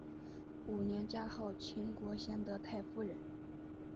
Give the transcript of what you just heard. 五年加号秦国贤德太夫人。